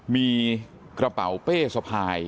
มีกระเป๋าเป้สะพาย